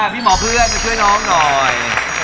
พี่หมอเพื่อนมาช่วยน้องหน่อย